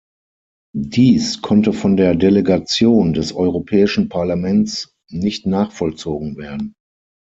Dies konnte von der Delegation des Europäischen Parlaments nicht nachvollzogen werden.